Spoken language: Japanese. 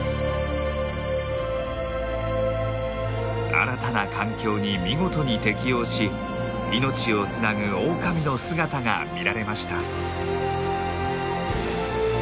新たな環境に見事に適応し命をつなぐオオカミの姿が見られました。